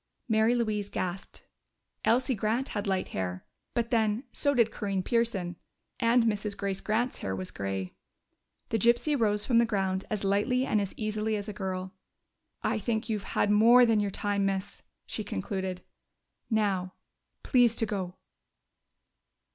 Mary Louise gasped. Elsie Grant had light hair but, then, so did Corinne Pearson.... And Mrs. Grace Grant's hair was gray. The gypsy rose from the ground as lightly and as easily as a girl. "I think you've had more than your time, miss," she concluded. "Now, please to go!"